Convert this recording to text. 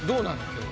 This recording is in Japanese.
今日。